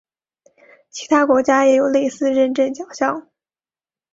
其他国家也有类似认证奖项。